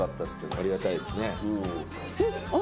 ありがたいっすね。